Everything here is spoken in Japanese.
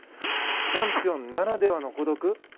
チャンピオンならではの孤独。